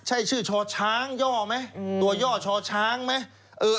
ใช่ชื่อชอช้างย่อไหมตัวย่อชอช้างไหม